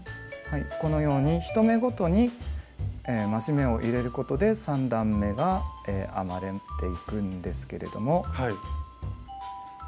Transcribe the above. このように１目ごとに増し目を入れることで３段めが編まれていくんですけれども。